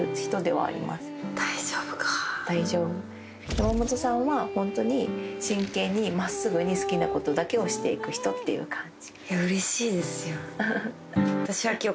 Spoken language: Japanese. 山本さんはホントに真剣に真っすぐに好きなことだけをしていく人っていう感じ。